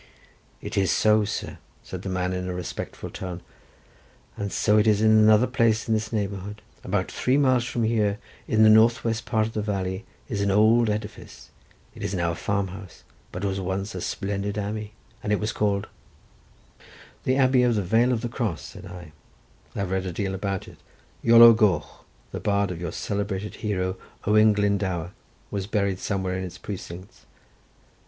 "It is so, sir," said the man in a respectful tone, "and so it is in another place in this neighbourhood. About three miles from here, in the north west part of the valley, is an old edifice. It is now a farm house, but was once a splendid abbey, and was called—" "The abbey of the vale of the cross," said I; "I have read a deal about it. Iolo Goch, the bard of your celebrated hero, Owen Glendower, was buried somewhere in its precincts."